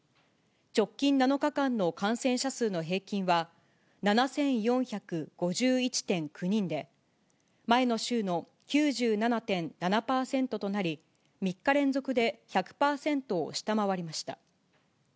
直近７日間の感染者数の平均は、７４５１．９人で、前の週の９７．７％となり、３日連続で１００％を下回りました。